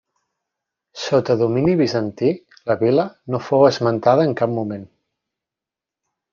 Sota domini bizantí la vila no fou esmentada en cap moment.